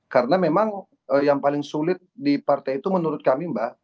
karena memang yang paling sulit di partai itu menurut kami mbak